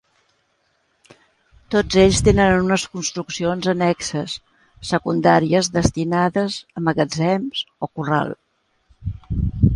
Tots ells tenen unes construccions annexes secundàries, destinades a magatzem o corral.